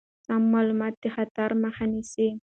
سم معلومات د خطر مخه نیسي.